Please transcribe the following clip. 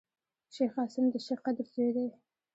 شېخ قاسم دشېخ قدر زوی دﺉ.